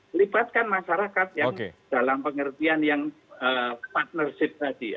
melibatkan masyarakat yang dalam pengertian yang partnership tadi